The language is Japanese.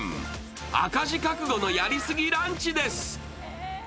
赤字覚悟のやりすぎランチです。